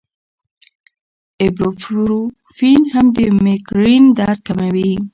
ایبوپروفین هم د مېګرین درد کموي.